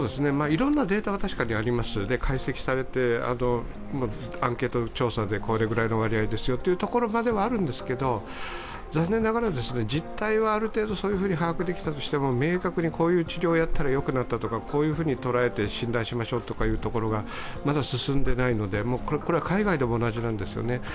いろんなデータが確かにあります、解析されて、アンケート調査でこれぐらいの割合でありますというのはあるんですけれども、残念ながら実態はある程度把握できたとしても明確にこういう治療をやったらよくなったとか、こうやって診断しましょうとかまだ進んでいないので、これは海外でも同じなんですよね。